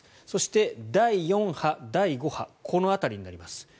そして第４波、第５波この辺りになります。